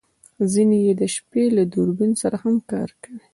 ځینې یې د شپې له دوربین سره هم کار کوي